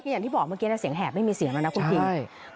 อย่างที่บอกเมื่อกี้เสียงแหบไม่มีเสียงแล้วนะคุณคิง